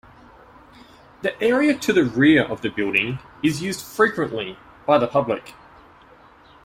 The area to the rear of the building is used frequently by the public.